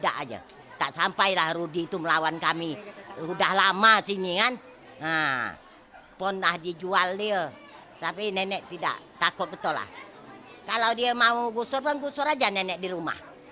kalau dia mau gusur bang gusur aja nenek di rumah